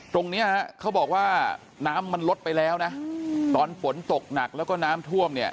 ตรงเนี้ยฮะเขาบอกว่าน้ำมันลดไปแล้วนะตอนฝนตกหนักแล้วก็น้ำท่วมเนี่ย